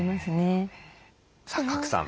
さあ賀来さん